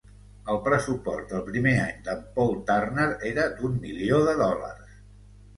El pressupost del primer any de"n Paul Turner era d"un milió de dòlars.